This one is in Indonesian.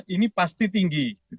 ini pasti tinggi